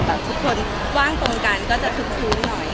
ถ้าเกิดแบบทุกคนว่างตรงกันก็จะทุกหน่อย